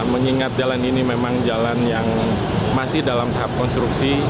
mengingat jalan ini memang jalan yang masih dalam tahap konstruksi